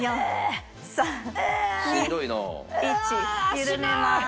緩めます。